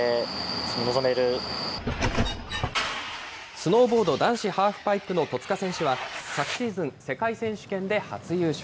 スノーボード男子ハーフパイプの戸塚選手は、昨シーズン、世界選手権で初優勝。